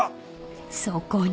［そこに］